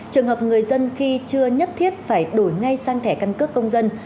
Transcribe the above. trường hợp người dân khi chưa nhất thiết phải đổi ngay sang thẻ căn cước công dân